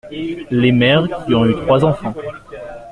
Les mères qui ont eu trois enfants.